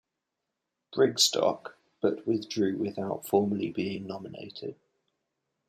Brigstock, but withdrew without formally being nominated.